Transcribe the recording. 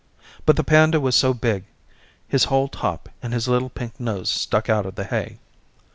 But the panda was so big his whole top and his little pink nose stuck out of the hay.